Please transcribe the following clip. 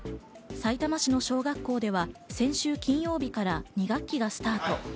さいたま市の小学校では先週金曜日から２学期がスタート。